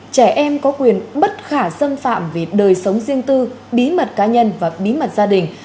trẻ em có quyền bất khả xâm phạm về đời sống riêng tư bí mật cá nhân và bí mật gia đình